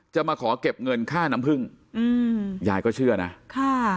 มาขอเก็บเงินค่าน้ำผึ้งอืมยายก็เชื่อนะค่ะ